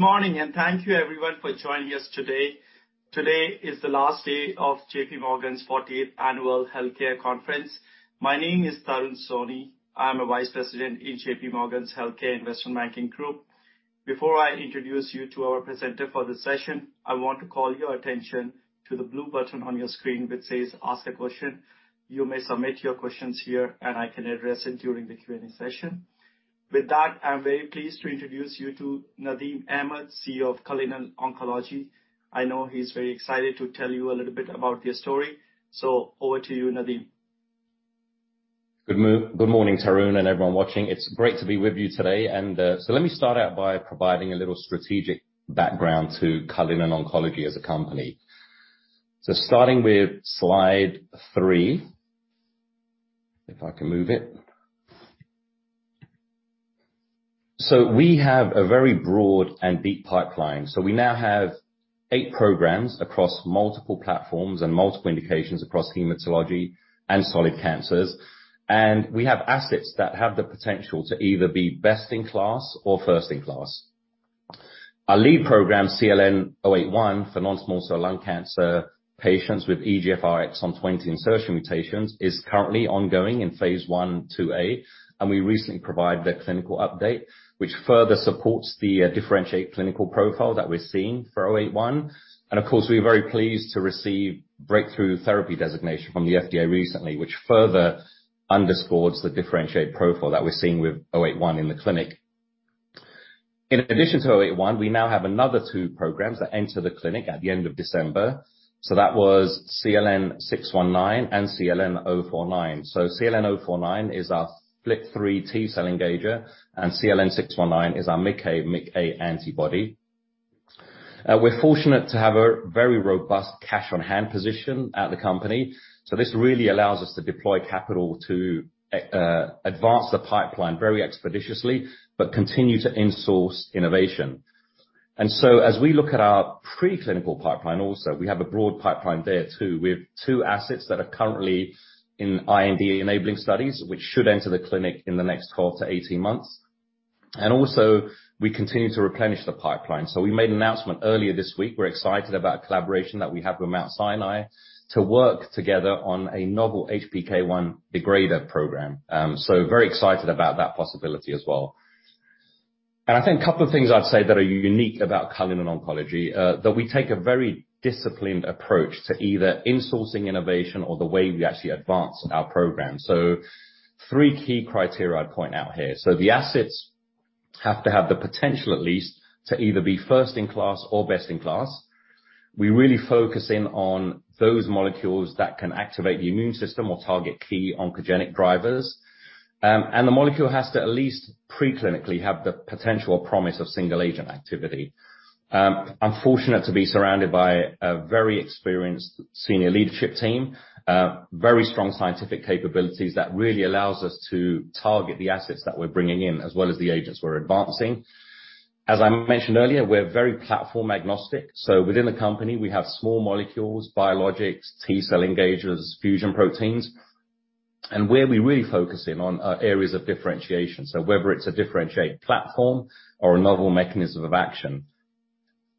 Good morning, and thank you everyone for joining us today. Today is the last day of JPMorgan's 40th Annual Healthcare Conference. My name is Tarun Soni. I'm a Vice President in JPMorgan's Healthcare Investment Banking Group. Before I introduce you to our presenter for this session, I want to call your attention to the blue button on your screen which says Ask a Question. You may submit your questions here, and I can address it during the Q&A session. With that, I'm very pleased to introduce you to Nadim Ahmed, CEO of Cullinan Oncology. I know he's very excited to tell you a little bit about their story. Over to you, Nadim. Good morning, Tarun, and everyone watching. It's great to be with you today. Let me start out by providing a little strategic background to Cullinan Oncology as a company. Starting with slide three, if I can move it. We have a very broad and deep pipeline. We now have eight programs across multiple platforms and multiple indications across hematology and solid cancers. We have assets that have the potential to either be best in class or first in class. Our lead program, CLN-081, for non-small cell lung cancer patients with EGFR exon 20 insertion mutations, is currently ongoing in phase I/IIa. We recently provided a clinical update, which further supports the differentiated clinical profile that we're seeing for CLN-081. Of course, we're very pleased to receive breakthrough therapy designation from the FDA recently, which further underscores the differentiated profile that we're seeing with CLN-081 in the clinic. In addition to CLN-081, we now have another two programs that enter the clinic at the end of December. That was CLN-619 and CLN-049. CLN-049 is our FLT3 T-cell engager, and CLN-619 is our MICA/MICB antibody. We're fortunate to have a very robust cash on hand position at the company. This really allows us to deploy capital to advance the pipeline very expeditiously but continue to in-source innovation. As we look at our preclinical pipeline also, we have a broad pipeline there too, with 2 assets that are currently in IND-enabling studies, which should enter the clinic in the next 12-18 months. Also, we continue to replenish the pipeline. We made an announcement earlier this week. We're excited about a collaboration that we have with Mount Sinai to work together on a novel HPK1 degrader program. Very excited about that possibility as well. I think a couple of things I'd say that are unique about Cullinan Oncology, that we take a very disciplined approach to either insourcing innovation or the way we actually advance our program. Three key criteria I'd point out here. The assets have to have the potential, at least, to either be first in class or best in class. We're really focusing on those molecules that can activate the immune system or target key oncogenic drivers. The molecule has to at least pre-clinically have the potential or promise of single-agent activity. I'm fortunate to be surrounded by a very experienced senior leadership team, very strong scientific capabilities that really allows us to target the assets that we're bringing in as well as the agents we're advancing. As I mentioned earlier, we're very platform-agnostic. Within the company we have small molecules, biologics, T-cell engagers, fusion proteins, and where we're really focusing on are areas of differentiation. Whether it's a differentiated platform or a novel mechanism of action.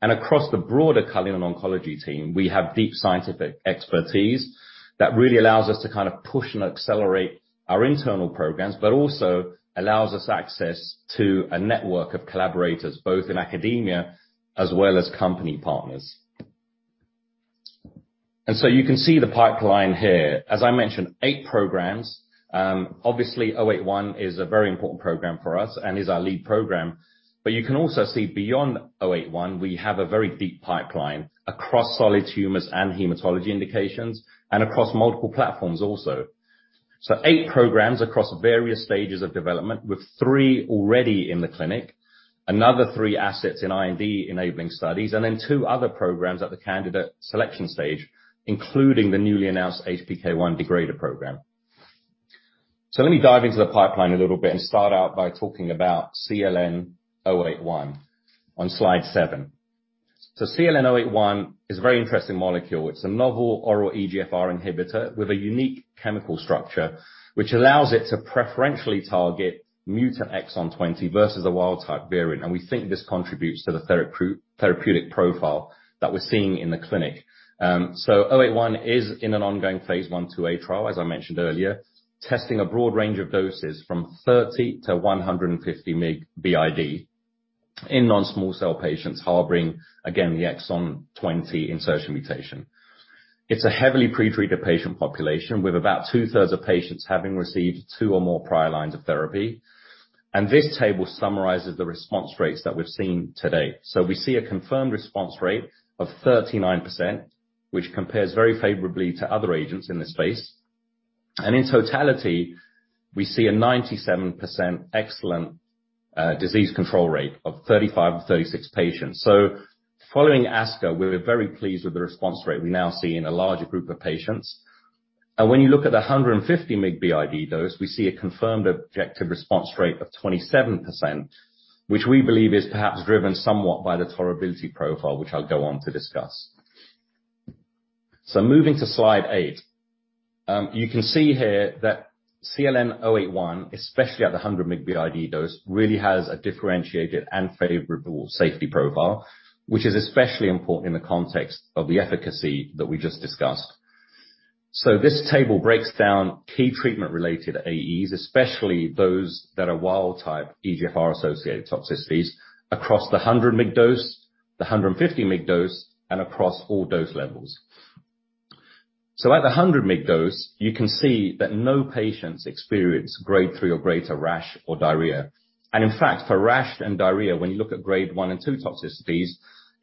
Across the broader Cullinan Oncology team, we have deep scientific expertise that really allows us to kind of push and accelerate our internal programs, but also allows us access to a network of collaborators, both in academia as well as company partners. You can see the pipeline here. As I mentioned, eight programs. Obviously Oh Eight One is a very important program for us and is our lead program. You can also see beyond Oh Eight One, we have a very deep pipeline across solid tumors and hematology indications and across multiple platforms also. Eight programs across various stages of development, with three already in the clinic, another three assets in IND-enabling studies, and then two other programs at the candidate selection stage, including the newly announced HPK1 degrader program. Let me dive into the pipeline a little bit and start out by talking about CLN-081 on slide seven. CLN-081 is a very interesting molecule. It's a novel oral EGFR inhibitor with a unique chemical structure, which allows it to preferentially target mutant exon 20 versus a wild type variant. We think this contributes to the therapeutic profile that we're seeing in the clinic. 081 is in an ongoing phase I/II-A trial, as I mentioned earlier, testing a broad range of doses from 30 to 150 mg BID in non-small cell patients harboring, again, the exon 20 insertion mutation. It's a heavily pre-treated patient population, with about two-thirds of patients having received two or more prior lines of therapy. This table summarizes the response rates that we've seen to date. We see a confirmed response rate of 39%, which compares very favorably to other agents in this space. In totality, we see a 97% excellent disease control rate of 35 of 36 patients. Following ASCO, we're very pleased with the response rate we now see in a larger group of patients. When you look at the 150 mg BID dose, we see a confirmed objective response rate of 27%, which we believe is perhaps driven somewhat by the tolerability profile, which I'll go on to discuss. Moving to slide eight, you can see here that CLN-081, especially at the 100 mg BID dose, really has a differentiated and favorable safety profile, which is especially important in the context of the efficacy that we just discussed. This table breaks down key treatment-related AEs, especially those that are wild-type EGFR associated toxicities across the 100 mg dose, the 150 mg dose, and across all dose levels. At the 100 mg dose, you can see that no patients experience grade 3 or greater rash or diarrhea. In fact, for rash and diarrhea, when you look at grade 1 and 2 toxicities,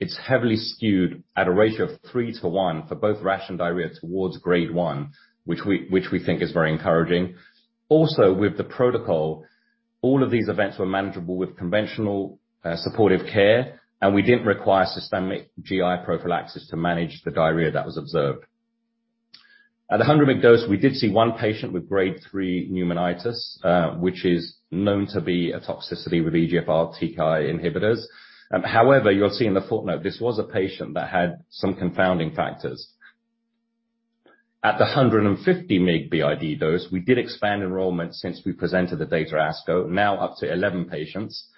it's heavily skewed at a ratio of three to one for both rash and diarrhea towards grade 1, which we think is very encouraging. Also, with the protocol, all of these events were manageable with conventional supportive care, and we didn't require systemic GI prophylaxis to manage the diarrhea that was observed. At the 100 mg dose, we did see one patient with grade 3 pneumonitis, which is known to be a toxicity with EGFR TKI inhibitors. However, you'll see in the footnote, this was a patient that had some confounding factors. At the 150 mg BID dose, we did expand enrollment since we presented the data at ASCO, now up to 11 patients.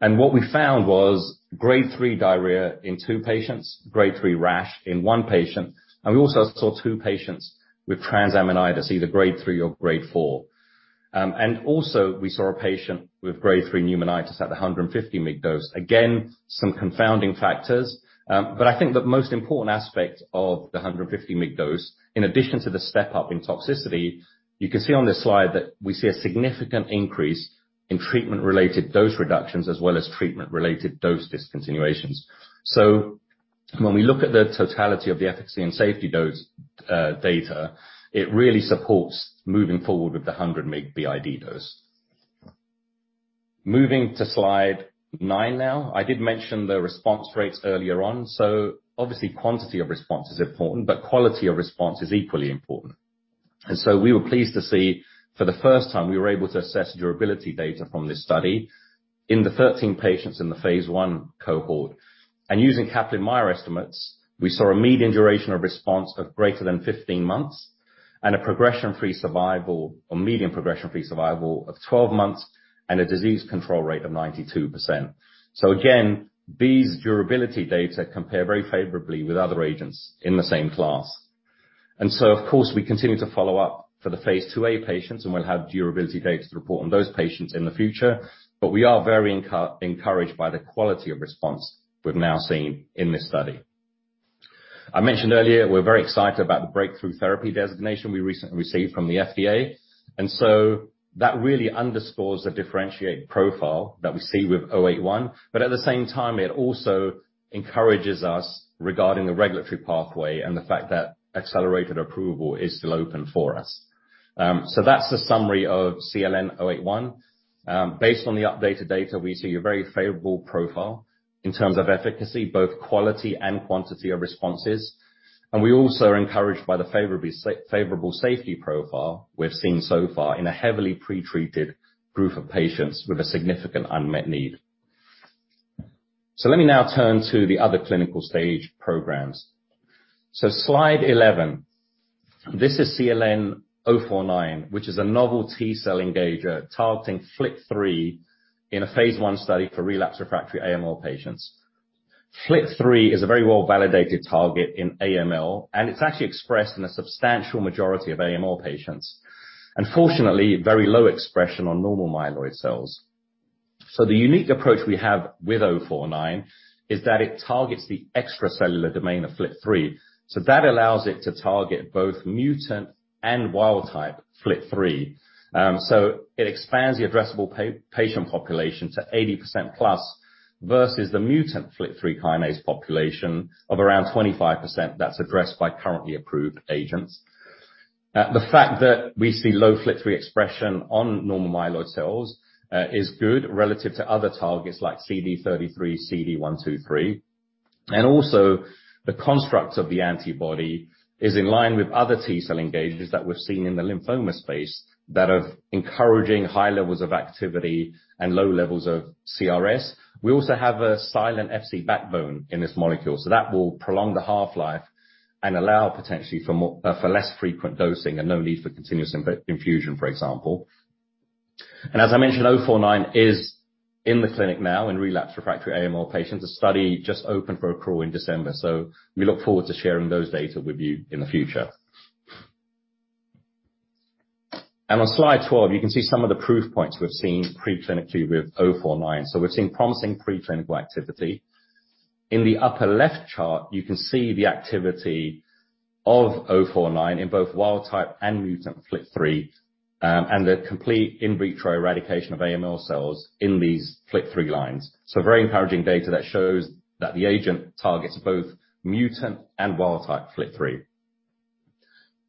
What we found was grade 3 diarrhea in two patients, grade 3 rash in one patient, and we also saw two patients with transaminitis, either grade 3 or grade 4. And also we saw a patient with grade 3 pneumonitis at the 150 mg dose. Again, some confounding factors. I think the most important aspect of the 150 mg dose, in addition to the step-up in toxicity, you can see on this slide that we see a significant increase in treatment-related dose reductions as well as treatment-related dose discontinuations. When we look at the totality of the efficacy and safety dose data, it really supports moving forward with the 100 mg BID dose. Moving to slide nine now. I did mention the response rates earlier on. Obviously, quantity of response is important, but quality of response is equally important. We were pleased to see, for the first time, we were able to assess durability data from this study in the 13 patients in the phase I cohort. Using Kaplan-Meier estimates, we saw a median duration of response of greater than 15 months and a progression-free survival or median progression-free survival of 12 months and a disease control rate of 92%. Again, these durability data compare very favorably with other agents in the same class. Of course, we continue to follow up for the phase II A patients, and we'll have durability data to report on those patients in the future. We are very encouraged by the quality of response we've now seen in this study. I mentioned earlier, we're very excited about the breakthrough therapy designation we recently received from the FDA. That really underscores the differentiated profile that we see with CLN-081. At the same time, it also encourages us regarding the regulatory pathway and the fact that accelerated approval is still open for us. That's the summary of CLN-081. Based on the updated data, we see a very favorable profile in terms of efficacy, both quality and quantity of responses. We also are encouraged by the favorable safety profile we've seen so far in a heavily pre-treated group of patients with a significant unmet need. Let me now turn to the other clinical stage programs. Slide 11, this is CLN-049, which is a novel T-cell engager targeting FLT3 in a phase I study for relapsed refractory AML patients. FLT3 is a very well-validated target in AML, and it's actually expressed in a substantial majority of AML patients, and fortunately, very low expression on normal myeloid cells. The unique approach we have with 049 is that it targets the extracellular domain of FLT3. That allows it to target both mutant and wild type FLT3. It expands the addressable patient population to 80%+ versus the mutant FLT3 kinase population of around 25% that's addressed by currently approved agents. The fact that we see low FLT3 expression on normal myeloid cells is good relative to other targets like CD33, CD123. Also the constructs of the antibody is in line with other T-cell engagers that we've seen in the lymphoma space that are encouraging high levels of activity and low levels of CRS. We also have a silent Fc backbone in this molecule, so that will prolong the half-life and allow potentially for less frequent dosing and no need for continuous infusion, for example. As I mentioned, CLN-049 is in the clinic now in relapsed refractory AML patients. The study just opened for accrual in December, so we look forward to sharing those data with you in the future. On slide 12, you can see some of the proof points we've seen preclinically with zero four nine. We've seen promising preclinical activity. In the upper left chart, you can see the activity of zero four nine in both wild type and mutant FLT3, and the complete in vitro eradication of AML cells in these FLT3 lines. Very encouraging data that shows that the agent targets both mutant and wild type FLT3.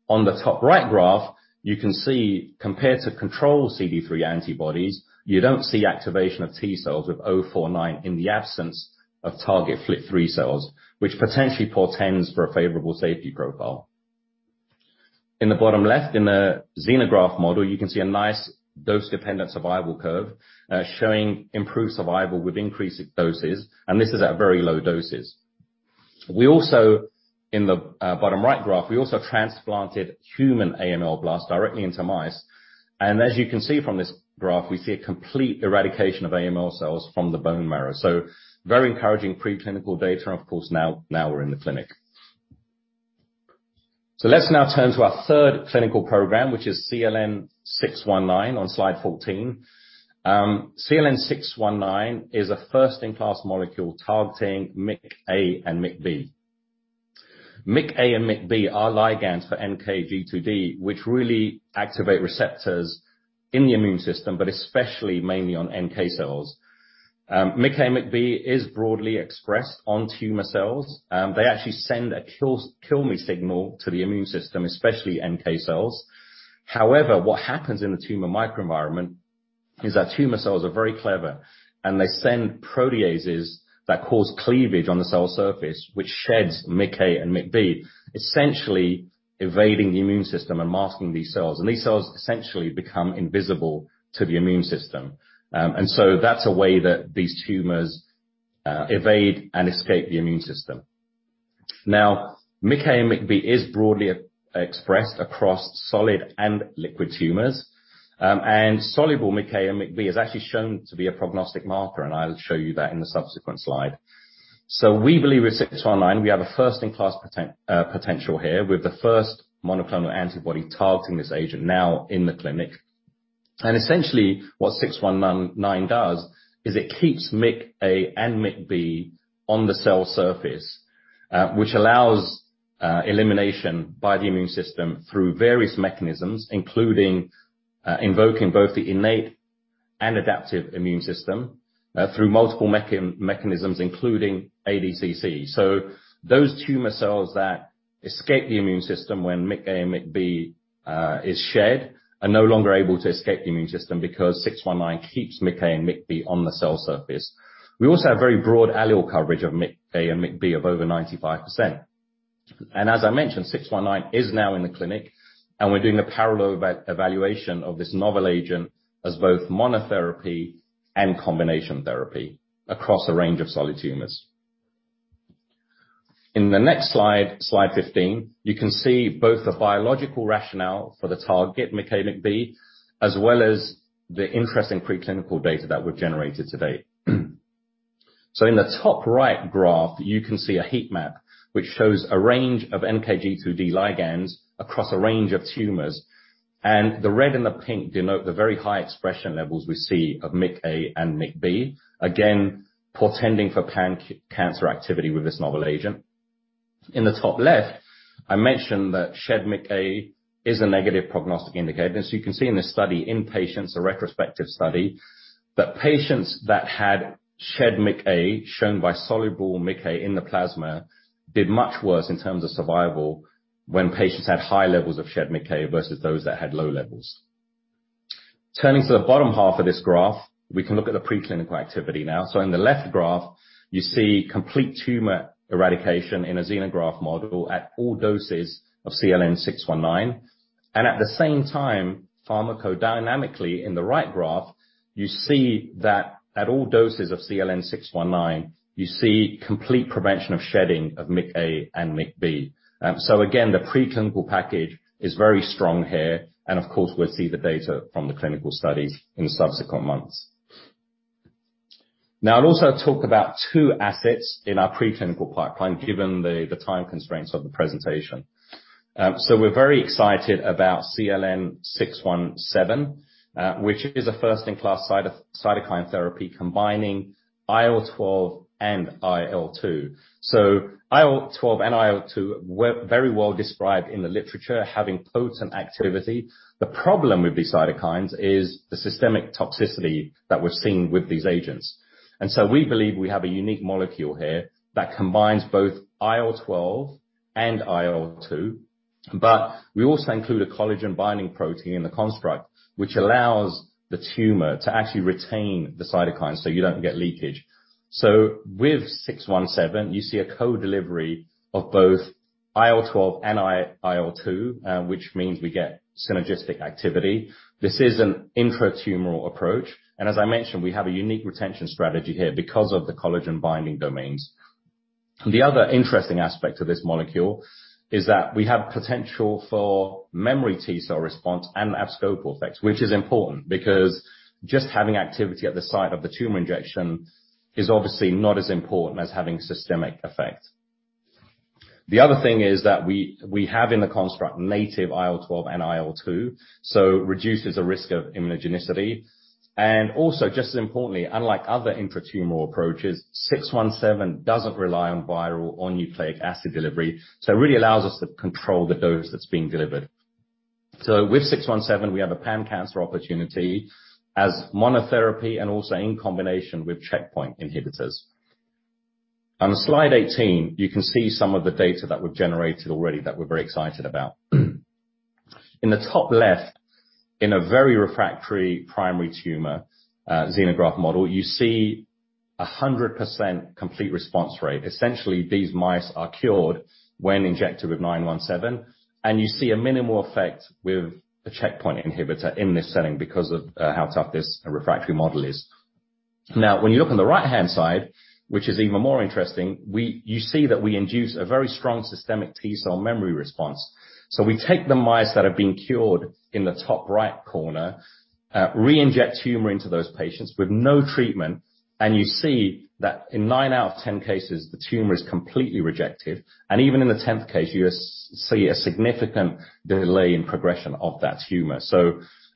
On the top right graph, you can see, compared to control CD3 antibodies, you don't see activation of T cells with CLN-049 in the absence of target FLT3 cells, which potentially portends for a favorable safety profile. In the bottom left, in the xenograft model, you can see a nice dose-dependent survival curve, showing improved survival with increased doses, and this is at very low doses. We also, in the bottom right graph, transplanted human AML blasts directly into mice. As you can see from this graph, we see a complete eradication of AML cells from the bone marrow. Very encouraging preclinical data. Of course, now we're in the clinic. Let's now turn to our third clinical program, which is CLN-619 on slide 14. CLN-619 is a first-in-class molecule targeting MICA and MICB. MICA and MICB are ligands for NKG2D, which really activate receptors in the immune system, but especially mainly on NK cells. MICA and MICB is broadly expressed on tumor cells. They actually send a kill me signal to the immune system, especially NK cells. However, what happens in the tumor microenvironment is that tumor cells are very clever, and they send proteases that cause cleavage on the cell surface, which sheds MICA and MICB, essentially evading the immune system and masking these cells. These cells essentially become invisible to the immune system. That's a way that these tumors evade and escape the immune system. Now, MICA and MICB is broadly expressed across solid and liquid tumors. Soluble MICA and MICB has actually shown to be a prognostic marker, and I'll show you that in the subsequent slide. We believe with six one nine we have a first in class potential here with the first monoclonal antibody targeting this agent now in the clinic. Essentially, what six one nine does is it keeps MICA and MICB on the cell surface, which allows elimination by the immune system through various mechanisms, including invoking both the innate and adaptive immune system through multiple mechanisms, including ADCC. Those tumor cells that escape the immune system when MICA and MICB is shed are no longer able to escape the immune system because six one nine keeps MICA and MICB on the cell surface. We also have very broad allele coverage of MICA and MICB of over 95%. As I mentioned, 619 is now in the clinic, and we're doing a parallel evaluation of this novel agent as both monotherapy and combination therapy across a range of solid tumors. In the next slide 15, you can see both the biological rationale for the target, MICA and MICB, as well as the interesting preclinical data that we've generated to date. In the top right graph, you can see a heat map which shows a range of NKG2D ligands across a range of tumors. The red and the pink denote the very high expression levels we see of MICA and MICB, again, portending for pan-cancer activity with this novel agent. In the top left, I mentioned that shed MICA is a negative prognostic indicator. You can see in this study in patients, a retrospective study, that patients that had shed MICA, shown by soluble MICA in the plasma, did much worse in terms of survival when patients had high levels of shed MICA versus those that had low levels. Turning to the bottom half of this graph, we can look at the preclinical activity now. In the left graph, you see complete tumor eradication in a xenograft model at all doses of CLN-619. At the same time, pharmacodynamically, in the right graph, you see that at all doses of CLN-619, you see complete prevention of shedding of MICA and MICB. Again, the preclinical package is very strong here, and of course, we'll see the data from the clinical studies in subsequent months. Now, I'll also talk about two assets in our preclinical pipeline, given the time constraints of the presentation. We're very excited about CLN-617, which is a first-in-class cytokine therapy combining IL-12 and IL-2. IL-12 and IL-2 are very well described in the literature having potent activity. The problem with these cytokines is the systemic toxicity that we're seeing with these agents. We believe we have a unique molecule here that combines both IL-12 and IL-2, but we also include a collagen-binding protein in the construct, which allows the tumor to actually retain the cytokine so you don't get leakage. With CLN-617, you see a co-delivery of both IL-12 and IL-2, which means we get synergistic activity. This is an intratumoral approach. As I mentioned, we have a unique retention strategy here because of the collagen binding domains. The other interesting aspect of this molecule is that we have potential for memory T cell response and abscopal effect, which is important because just having activity at the site of the tumor injection is obviously not as important as having systemic effect. The other thing is that we have in the construct native IL-12 and IL-2, so reduces the risk of immunogenicity. Also, just as importantly, unlike other intratumoral approaches, CLN-617 doesn't rely on viral or nucleic acid delivery. It really allows us to control the dose that's being delivered. With CLN-617, we have a pan-cancer opportunity as monotherapy and also in combination with checkpoint inhibitors. On slide 18, you can see some of the data that we've generated already that we're very excited about. In a very refractory primary tumor xenograft model, you see a 100% complete response rate. Essentially, these mice are cured when injected with CLN-617, and you see a minimal effect with a checkpoint inhibitor in this setting because of how tough this refractory model is. Now, when you look on the right-hand side, which is even more interesting, you see that we induce a very strong systemic T-cell memory response. We take the mice that have been cured in the top right corner, re-inject tumor into those patients with no treatment, and you see that in nine out of ten cases, the tumor is completely rejected, and even in the tenth case, you see a significant delay in progression of that tumor.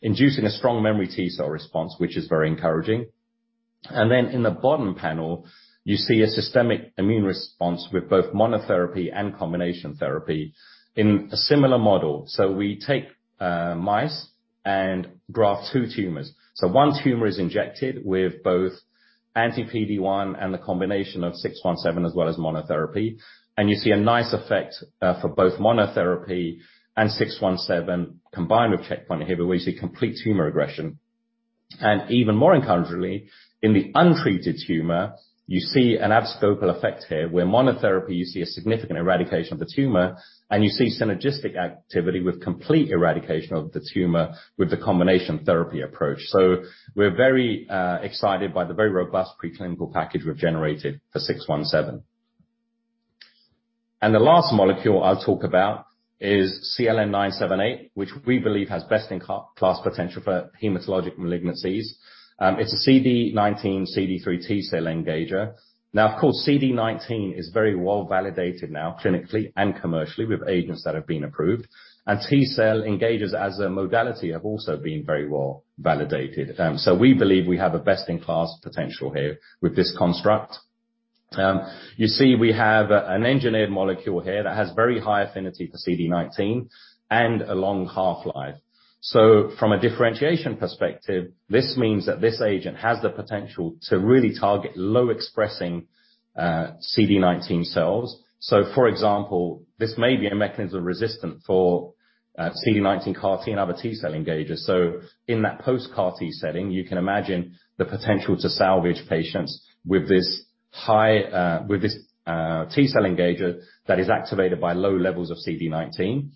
Inducing a strong memory T-cell response, which is very encouraging. In the bottom panel, you see a systemic immune response with both monotherapy and combination therapy in a similar model. We take mice and graft two tumors. One tumor is injected with both anti-PD-1 and the combination of CLN-617 as well as monotherapy. You see a nice effect for both monotherapy and CLN-617 combined with checkpoint inhibitor, where you see complete tumor regression. Even more encouragingly, in the untreated tumor, you see an abscopal effect here, where monotherapy, you see a significant eradication of the tumor, and you see synergistic activity with complete eradication of the tumor with the combination therapy approach. We're very excited by the very robust preclinical package we've generated for CLN-617. The last molecule I'll talk about is CLN-978, which we believe has best-in-class potential for hematologic malignancies. It's a CD19/CD3 T-cell engager. Now, of course, CD19 is very well-validated now, clinically and commercially, with agents that have been approved. And T-cell engagers as a modality have also been very well-validated. We believe we have a best-in-class potential here with this construct. You see we have an engineered molecule here that has very high affinity for CD19 and a long half-life. From a differentiation perspective, this means that this agent has the potential to really target low-expressing CD19 cells. For example, this may be a mechanism of resistance for CD19 CAR T and other T-cell engagers. In that post-CAR T setting, you can imagine the potential to salvage patients with this T-cell engager that is activated by low levels of CD19.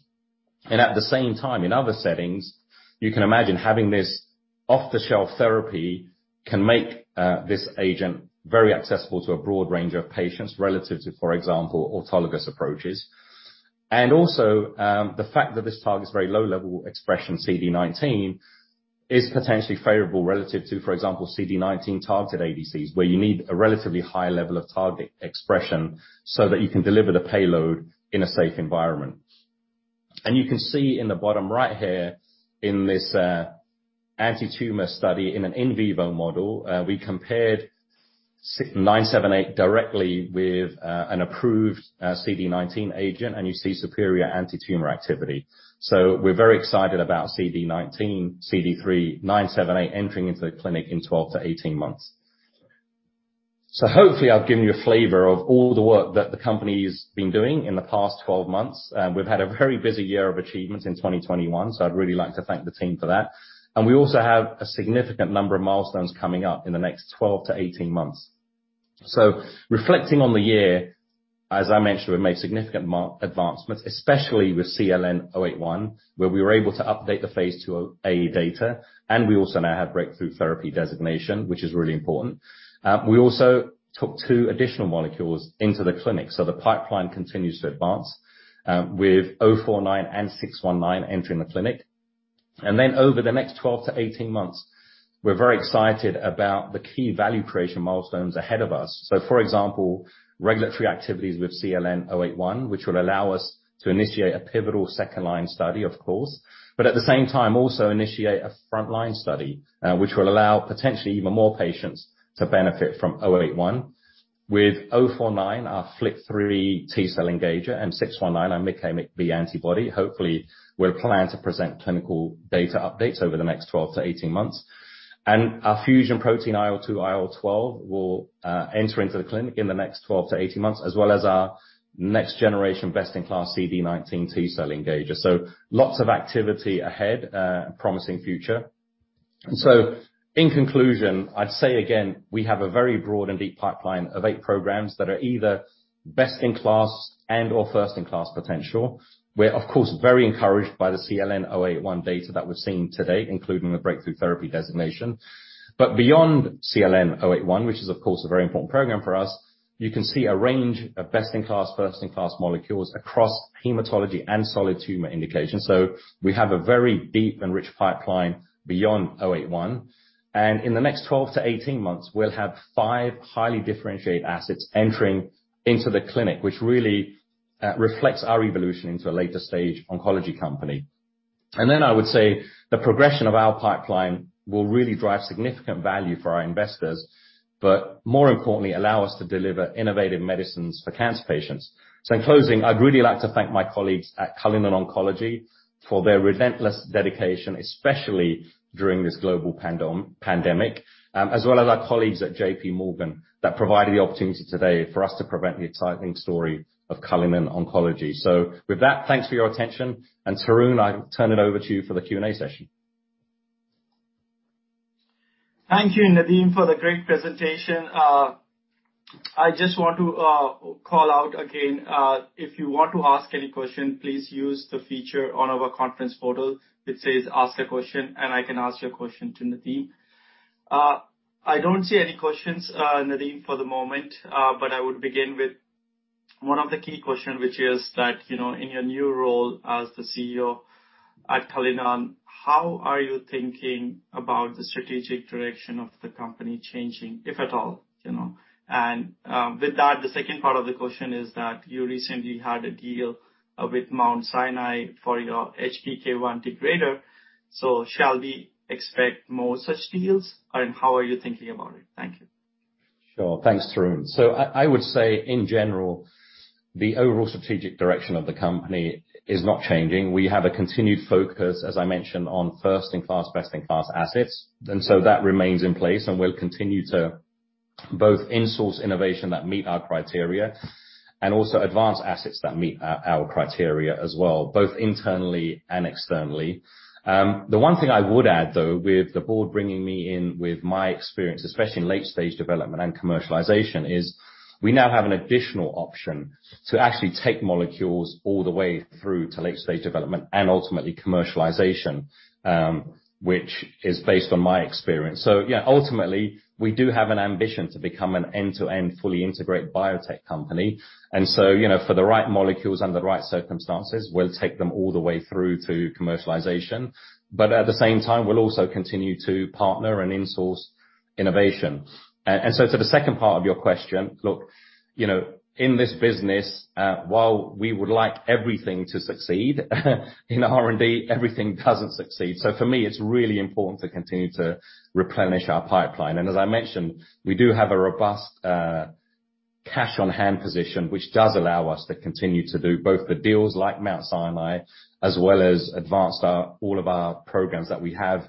At the same time, in other settings, you can imagine having this off-the-shelf therapy can make this agent very accessible to a broad range of patients relative to, for example, autologous approaches. The fact that this targets very low-level expression CD19 is potentially favorable relative to, for example, CD19-targeted ADCs, where you need a relatively high level of target expression so that you can deliver the payload in a safe environment. You can see in the bottom right here, in this antitumor study in an in vivo model, we compared 978 directly with an approved CD19 agent, and you see superior antitumor activity. We're very excited about CD19, CD3 978 entering into the clinic in 12-18 months. Hopefully I've given you a flavor of all the work that the company's been doing in the past 12 months. We've had a very busy year of achievements in 2021, so I'd really like to thank the team for that. We also have a significant number of milestones coming up in the next 12-18 months. Reflecting on the year, as I mentioned, we've made significant advancement, especially with CLN-081, where we were able to update the phase II-A data, and we also now have breakthrough therapy designation, which is really important. We also took two additional molecules into the clinic, so the pipeline continues to advance with CLN-049 and CLN-619 entering the clinic. Over the next 12 to 18 months, we're very excited about the key value creation milestones ahead of us. For example, regulatory activities with CLN-081, which will allow us to initiate a pivotal second-line study, of course, but at the same time, also initiate a front-line study, which will allow potentially even more patients to benefit from CLN-081. With CLN-049, our FLT3 T-cell engager, and CLN-619, our MICA/MICB antibody. Hopefully, we're planning to present clinical data updates over the next 12-18 months. Our fusion protein, IL-2/IL-12, will enter into the clinic in the next 12-18 months, as well as our next-generation best-in-class CD19 T-cell engager. Lots of activity ahead, promising future. In conclusion, I'd say again, we have a very broad and deep pipeline of eight programs that are either best-in-class and/or first-in-class potential. We're of course very encouraged by the CLN-081 data that we've seen to date, including the breakthrough therapy designation. Beyond CLN-081, which is of course a very important program for us, you can see a range of best-in-class, first-in-class molecules across hematology and solid tumor indications. We have a very deep and rich pipeline beyond oh eight one. In the next 12-18 months, we'll have five highly differentiated assets entering into the clinic, which really reflects our evolution into a later-stage oncology company. I would say the progression of our pipeline will really drive significant value for our investors, but more importantly, allow us to deliver innovative medicines for cancer patients. In closing, I'd really like to thank my colleagues at Cullinan Oncology for their relentless dedication, especially during this global pandemic, as well as our colleagues at J.P. Morgan that provided the opportunity today for us to present the exciting story of Cullinan Oncology. With that, thanks for your attention. Tarun, I turn it over to you for the Q&A session. Thank you, Nadim, for the great presentation. I just want to call out again if you want to ask any question, please use the feature on our conference portal that says ask a question, and I can ask your question to Nadim. I don't see any questions, Nadim, for the moment, but I would begin with one of the key questions, which is that, you know, in your new role as the CEO at Cullinan, how are you thinking about the strategic direction of the company changing, if at all? You know. With that, the second part of the question is that you recently had a deal with Mount Sinai for your HPK1 degrader, so shall we expect more such deals, and how are you thinking about it? Thank you. Sure. Thanks, Tarun. I would say, in general, the overall strategic direction of the company is not changing. We have a continued focus, as I mentioned, on first in class, best in class assets, and that remains in place, and we'll continue to both in-source innovation that meet our criteria and also advance assets that meet our criteria as well, both internally and externally. The one thing I would add, though, with the board bringing me in with my experience, especially in late-stage development and commercialization, is we now have an additional option to actually take molecules all the way through to late-stage development and ultimately commercialization, which is based on my experience. Yeah, ultimately, we do have an ambition to become an end-to-end, fully integrated biotech company. You know, for the right molecules under the right circumstances, we'll take them all the way through to commercialization. At the same time, we'll also continue to partner and in-source innovation. To the second part of your question, look, you know, in this business, while we would like everything to succeed, in R&D, everything doesn't succeed. For me, it's really important to continue to replenish our pipeline. As I mentioned, we do have a robust cash on hand position, which does allow us to continue to do both the deals like Mount Sinai, as well as advance our all of our programs that we have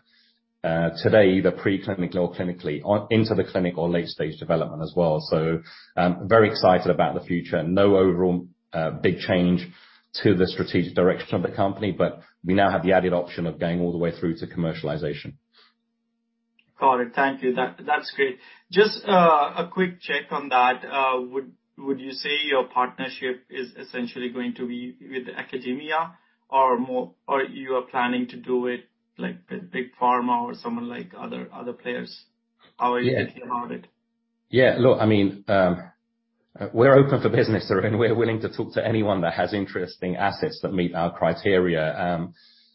today, either preclinical or clinically on into the clinic or late-stage development as well. Very excited about the future. No overall, big change to the strategic direction of the company, but we now have the added option of going all the way through to commercialization. Got it. Thank you. That's great. Just a quick check on that. Would you say your partnership is essentially going to be with academia or more, or you are planning to do it like with big pharma or someone like other players? How are you thinking about it? Yeah. Look, I mean, we're open for business. I mean, we're willing to talk to anyone that has interesting assets that meet our criteria.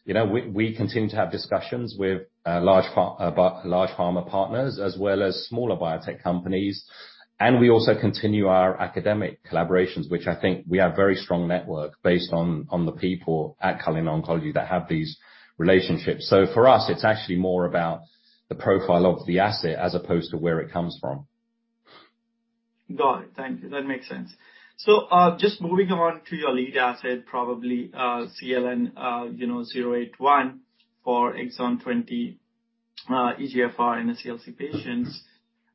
You know, we continue to have discussions with large pharma partners as well as smaller biotech companies. We also continue our academic collaborations, which I think we have very strong network based on the people at Cullinan Oncology that have these relationships. It's actually more about the profile of the asset as opposed to where it comes from. Got it. Thank you. That makes sense. Just moving on to your lead asset, probably, CLN-081 for exon 20 EGFR and NSCLC patients.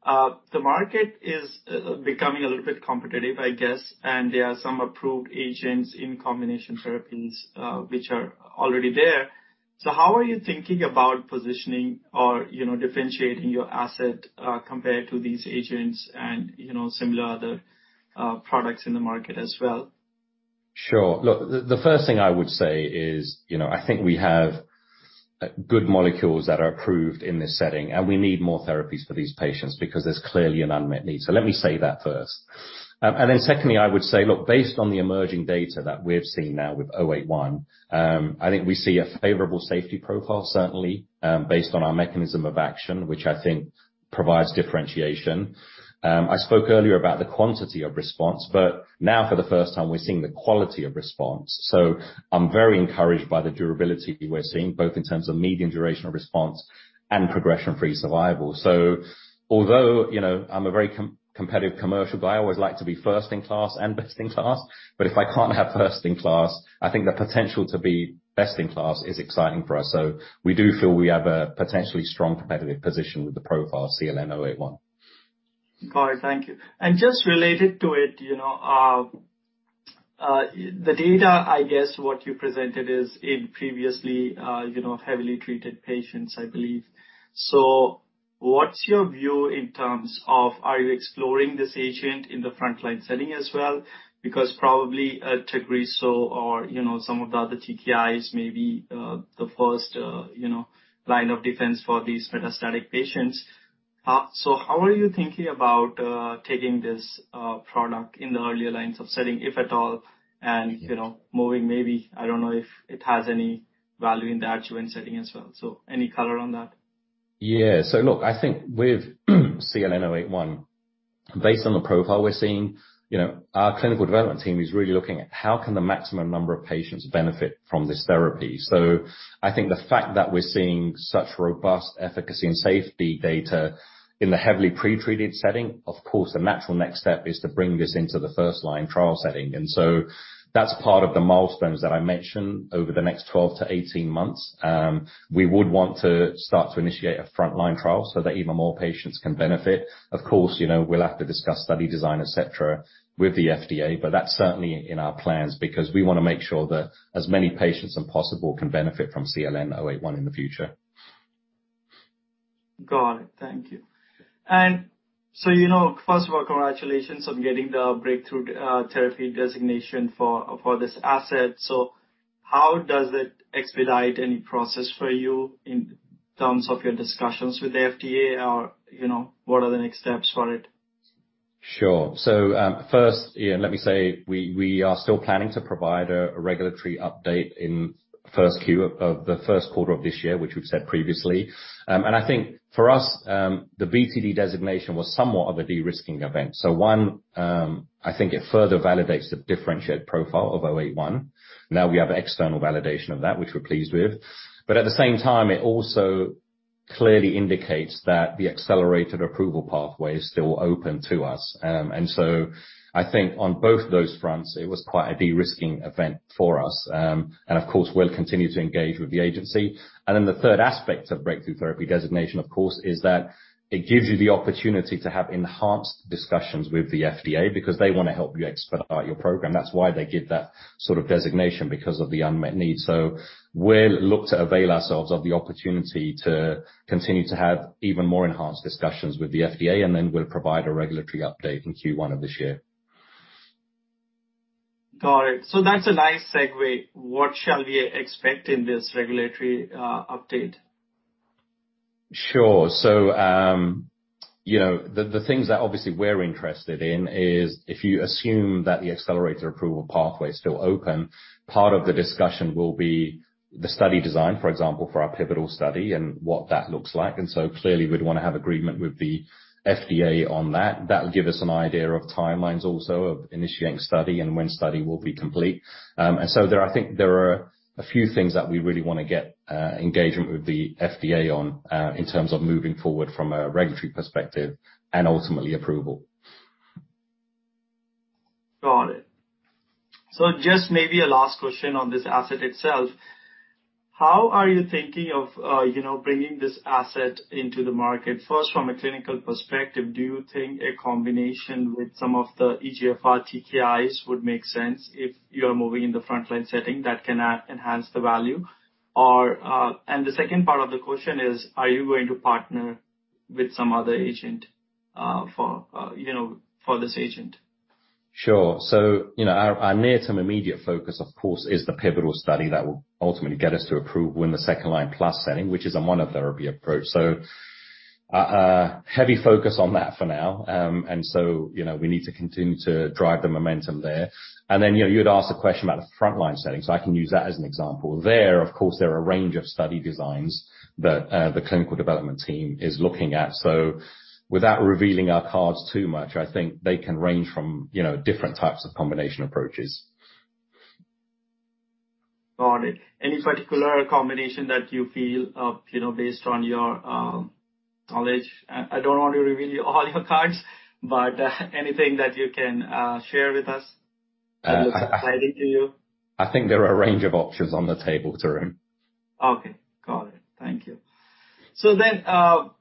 The market is becoming a little bit competitive, I guess, and there are some approved agents in combination therapies, which are already there. How are you thinking about positioning or, you know, differentiating your asset, compared to these agents and you know, similar other products in the market as well? Sure. Look, the first thing I would say is, you know, I think we have good molecules that are approved in this setting, and we need more therapies for these patients because there's clearly an unmet need. So let me say that first. Secondly, I would say, look, based on the emerging data that we've seen now with CLN-081, I think we see a favorable safety profile, certainly, based on our mechanism of action, which I think provides differentiation. I spoke earlier about the quantity of response, but now for the first time, we're seeing the quality of response. So I'm very encouraged by the durability we're seeing, both in terms of median duration of response and progression-free survival. Although, you know, I'm a very competitive commercial guy, I always like to be first in class and best in class, but if I can't have first in class, I think the potential to be best in class is exciting for us. We do feel we have a potentially strong competitive position with the profile of CLN-081. Got it. Thank you. Just related to it, you know, the data, I guess what you presented is in previously, you know, heavily treated patients, I believe. What's your view in terms of are you exploring this agent in the frontline setting as well? Because probably, Tagrisso or, you know, some of the other TKIs may be, the first, you know, line of defense for these metastatic patients. How are you thinking about, taking this, product in the earlier lines of setting, if at all, and, you know, moving maybe, I don't know if it has any value in the adjuvant setting as well. Any color on that? Yeah. Look, I think with CLN-081, based on the profile we're seeing, you know, our clinical development team is really looking at how can the maximum number of patients benefit from this therapy. I think the fact that we're seeing such robust efficacy and safety data in the heavily pretreated setting, of course, the natural next step is to bring this into the first line trial setting. That's part of the milestones that I mentioned over the next 12-18 months. We would want to start to initiate a front line trial so that even more patients can benefit. Of course, you know, we'll have to discuss study design, et cetera, with the FDA, but that's certainly in our plans because we wanna make sure that as many patients as possible can benefit from CLN-081 in the future. Got it. Thank you. You know, first of all, congratulations on getting the breakthrough therapy designation for this asset. How does it expedite any process for you in terms of your discussions with the FDA or, you know, what are the next steps for it? Sure. First, Ian, let me say we are still planning to provide a regulatory update in first Q of the first quarter of this year, which we've said previously. I think for us, the BTD designation was somewhat of a de-risking event. One, I think it further validates the differentiated profile of CLN-081. Now we have external validation of that which we're pleased with, but at the same time, it also clearly indicates that the accelerated approval pathway is still open to us. I think on both those fronts it was quite a de-risking event for us. Of course we'll continue to engage with the agency. The third aspect of breakthrough therapy designation, of course, is that it gives you the opportunity to have enhanced discussions with the FDA because they wanna help you expedite your program. That's why they give that sort of designation because of the unmet needs. We'll look to avail ourselves of the opportunity to continue to have even more enhanced discussions with the FDA, and then we'll provide a regulatory update in Q1 of this year. Got it. That's a nice segue. What shall we expect in this regulatory update? Sure. You know, the things that obviously we're interested in is if you assume that the accelerated approval pathway is still open, part of the discussion will be the study design, for example, for our pivotal study and what that looks like. Clearly we'd wanna have agreement with the FDA on that. That'll give us an idea of timelines also of initiating study and when study will be complete. I think there are a few things that we really wanna get engagement with the FDA on in terms of moving forward from a regulatory perspective and ultimately approval. Got it. Just maybe a last question on this asset itself. How are you thinking of, you know, bringing this asset into the market? First, from a clinical perspective, do you think a combination with some of the EGFR TKIs would make sense if you are moving in the frontline setting that can enhance the value? Or, and the second part of the question is, are you going to partner with some other agent, for, you know, for this agent? Sure. You know, our near-term immediate focus, of course, is the pivotal study that will ultimately get us to approval in the second-line plus setting, which is a monotherapy approach. A heavy focus on that for now. You know, we need to continue to drive the momentum there. You know, you'd asked a question about the frontline setting, so I can use that as an example. Of course, there are a range of study designs that the clinical development team is looking at. Without revealing our cards too much, I think they can range from, you know, different types of combination approaches. Got it. Any particular combination that you feel, you know, based on your knowledge? I don't want to reveal all your cards, but, anything that you can share with us that looks exciting to you. I think there are a range of options on the table, Tarun. Okay. Got it. Thank you.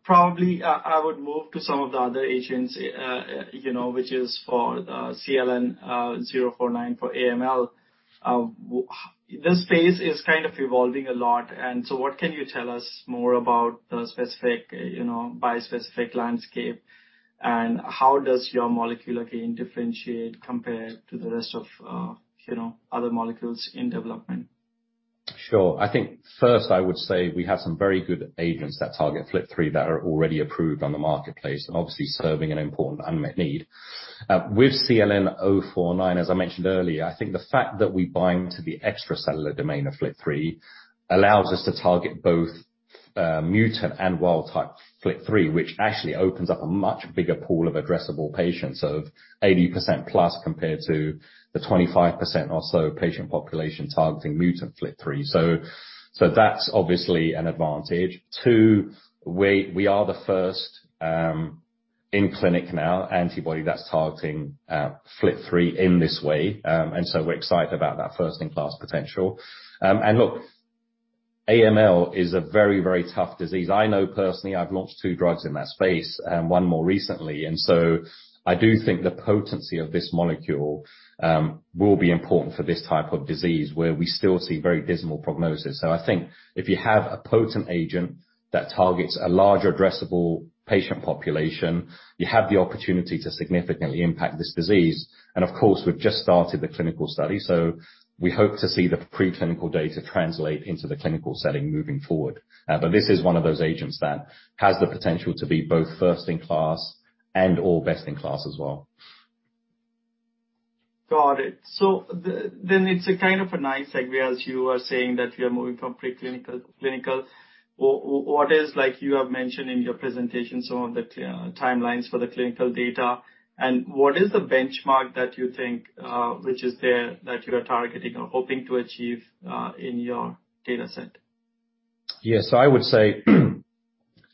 Probably, I would move to some of the other agents, you know, which is for CLN-049 for AML. How this space is kind of evolving a lot, and what can you tell us more about the specific, you know, bispecific landscape, and how does your molecule again differentiate compared to the rest of, you know, other molecules in development? Sure. I think first, I would say we have some very good agents that target FLT3 that are already approved on the marketplace and obviously serving an important unmet need. With CLN-049, as I mentioned earlier, I think the fact that we bind to the extracellular domain of FLT3 allows us to target both mutant and wild type FLT3, which actually opens up a much bigger pool of addressable patients of 80% plus compared to the 25% or so patient population targeting mutant FLT3. So that's obviously an advantage. Two, we are the first in clinic now antibody that's targeting FLT3 in this way. We're excited about that first in class potential. Look, AML is a very, very tough disease. I know personally, I've launched two drugs in that space and one more recently, and so I do think the potency of this molecule will be important for this type of disease where we still see very dismal prognosis. I think if you have a potent agent that targets a larger addressable patient population, you have the opportunity to significantly impact this disease. Of course, we've just started the clinical study, so we hope to see the preclinical data translate into the clinical setting moving forward. This is one of those agents that has the potential to be both first in class and or best in class as well. Got it. It's a kind of a nice segue as you are saying that we are moving from preclinical to clinical. What is like you have mentioned in your presentation some of the timelines for the clinical data, and what is the benchmark that you think, which is there that you are targeting or hoping to achieve, in your data set? Yes. I would say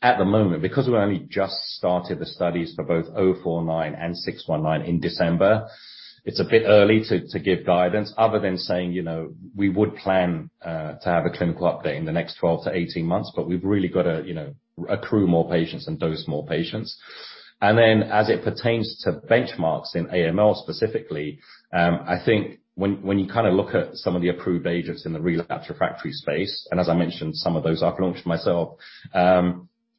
at the moment, because we've only just started the studies for both CLN-049 and CLN-619 in December, it's a bit early to give guidance other than saying, you know, we would plan to have a clinical update in the next 12 to 18 months, but we've really got to, you know, accrue more patients and dose more patients. As it pertains to benchmarks in AML specifically, I think when you kind of look at some of the approved agents in the relapse refractory space, and as I mentioned, some of those I've launched myself,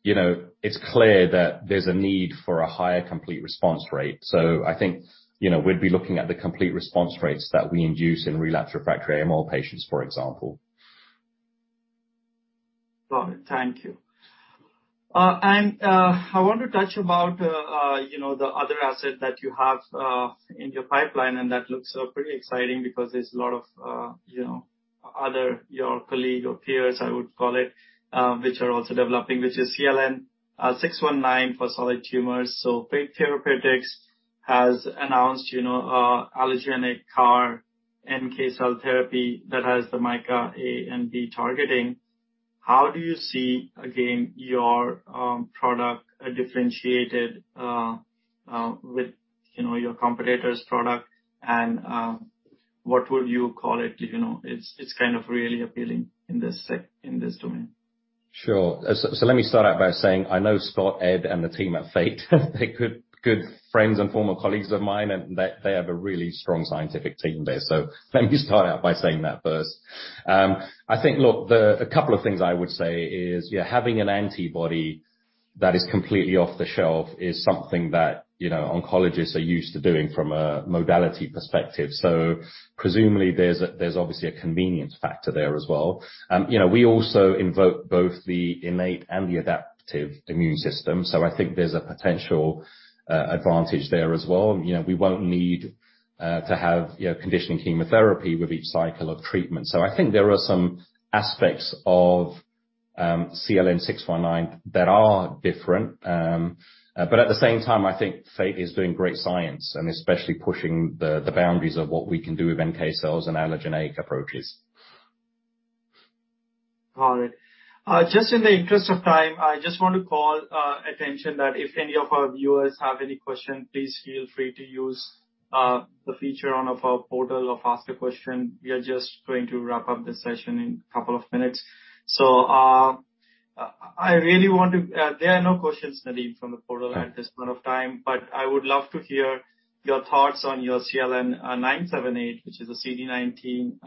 you know, it's clear that there's a need for a higher complete response rate. I think, you know, we'd be looking at the complete response rates that we induce in relapse refractory AML patients, for example. Got it. Thank you. I want to talk about, you know, the other asset that you have in your pipeline, and that looks pretty exciting because there's a lot of, you know, others, your colleagues or peers, I would call it, which are also developing, which is CLN-619 for solid tumors. Fate Therapeutics has announced, you know, allogeneic CAR NK cell therapy that has the MICA and MICB targeting. How do you see, again, your product differentiated with, you know, your competitor's product and, what would you call it? You know, it's kind of really appealing in this domain. Sure. Let me start out by saying I know Scott Wolchko and the team at Fate. They're good friends and former colleagues of mine, and they have a really strong scientific team there. Let me start out by saying that first. I think a couple of things I would say is, yeah, having an antibody that is completely off the shelf is something that, you know, oncologists are used to doing from a modality perspective. Presumably there's obviously a convenience factor there as well. You know, we also invoke both the innate and the adaptive immune system. I think there's a potential advantage there as well. You know, we won't need to have, you know, conditioning chemotherapy with each cycle of treatment. I think there are some aspects of CLN-619 that are different, but at the same time, I think Fate is doing great science and especially pushing the boundaries of what we can do with NK cells and allogeneic approaches. All right. Just in the interest of time, I just want to call attention that if any of our viewers have any questions, please feel free to use the feature on our portal to ask a question. We are just going to wrap up the session in a couple of minutes. There are no questions, Nadim, from the portal at this point of time, but I would love to hear your thoughts on your CLN-978, which is a CD19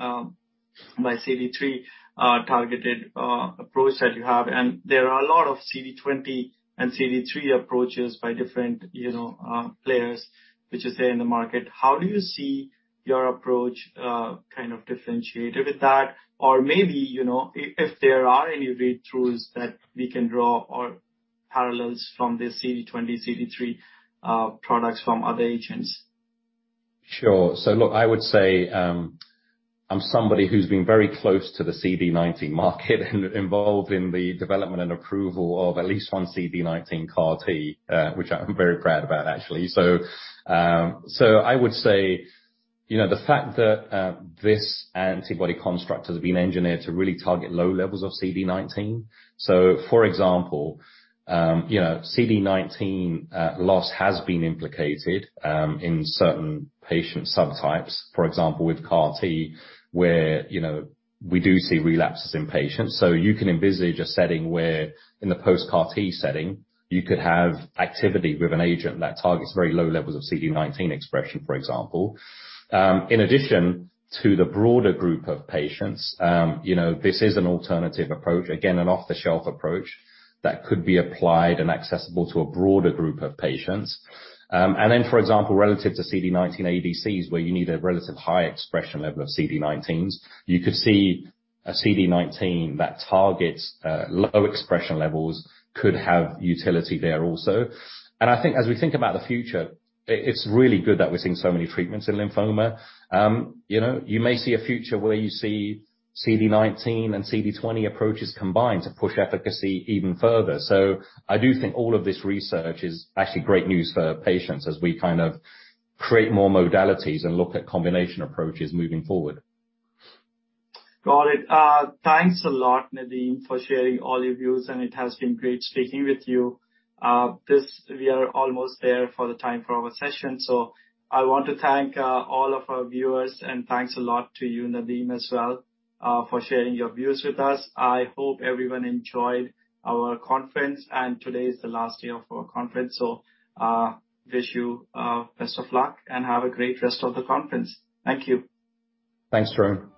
by CD3 targeted approach that you have. There are a lot of CD20 and CD3 approaches by different, you know, players, which is there in the market. How do you see your approach kind of differentiated with that? Maybe, you know, if there are any read-throughs that we can draw or parallels from the CD20, CD3 products from other agents. Sure. Look, I would say, I'm somebody who's been very close to the CD19 market and involved in the development and approval of at least one CD19 CAR T, which I'm very proud about, actually. I would say, you know, the fact that this antibody construct has been engineered to really target low levels of CD19. For example, you know, CD19 loss has been implicated in certain patient subtypes, for example, with CAR T, where, you know, we do see relapses in patients. You can envisage a setting where in the post-CAR T setting you could have activity with an agent that targets very low levels of CD19 expression, for example. In addition to the broader group of patients, you know, this is an alternative approach, again, an off-the-shelf approach that could be applied and accessible to a broader group of patients. Then for example, relative to CD19 ADCs, where you need a relatively high expression level of CD19, you could see a CD19 that targets low expression levels could have utility there also. I think as we think about the future, it's really good that we're seeing so many treatments in lymphoma. You know, you may see a future where you see CD19 and CD20 approaches combined to push efficacy even further. I do think all of this research is actually great news for patients as we kind of create more modalities and look at combination approaches moving forward. Got it. Thanks a lot, Nadim, for sharing all your views, and it has been great speaking with you. We are almost there for the time for our session, so I want to thank all of our viewers, and thanks a lot to you, Nadim, as well, for sharing your views with us. I hope everyone enjoyed our conference, and today is the last day of our conference, so wish you best of luck and have a great rest of the conference. Thank you. Thanks, Tarun.